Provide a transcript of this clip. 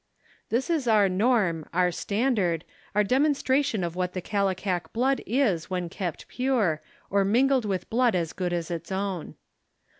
This is our norm, our standard, our demonstration of what the Kallikak blood is when kept pure, or mingled with blood as good as its own.